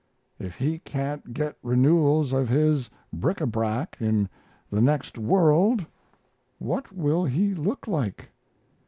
If he can't get renewals of his bric a brac in the next world what will he look like?